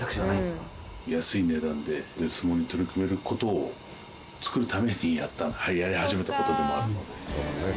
安い値段で相撲に取り組める事を作るためにやり始めた事でもあるので。